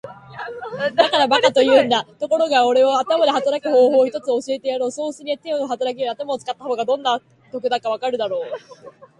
「だから馬鹿と言うんだ。ところがおれは頭で働く方法を一つ教えてやろう。そうすりゃ手で働くより頭を使った方がどんなに得だかわかるだろう。」